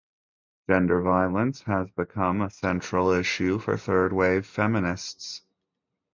Gender violence has become a central issue for third-wave feminists.